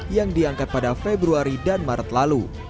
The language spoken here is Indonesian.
yang diangkat pada februari dan maret lalu